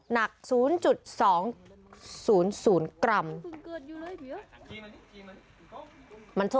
หนัก๐๒๐๐กรัม